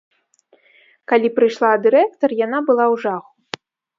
Калі прыйшла дырэктар, яна была ў жаху.